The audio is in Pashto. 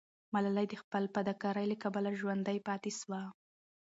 ملالۍ د خپل فداکارۍ له کبله ژوندی پاتې سوه.